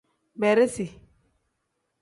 Beresi.